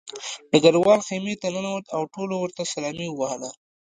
ډګروال خیمې ته ننوت او ټولو ورته سلامي ووهله